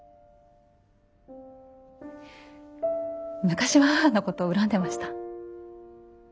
昔は母のことを恨んでました。